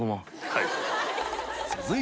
はい。